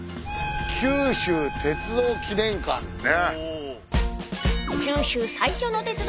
九州鉄道記念館ね。